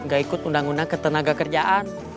gak ikut undang undang ketenagakerjaan